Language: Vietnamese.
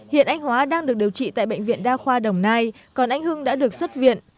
hiện anh hóa đang được điều trị tại bệnh viện đa khoa đồng nai còn anh hưng đã được xuất viện